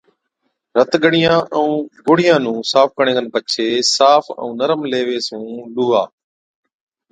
رت ڳڙِيان ائُون گوڙهِيان نُون صاف ڪرڻي کن پڇي صاف ائُون نرم ليوي سُون لُوها